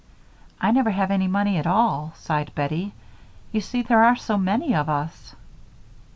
"I never have any money at all," sighed Bettie. "You see there are so many of us."